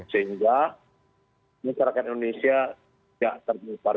sehingga masyarakat indonesia tidak terpapar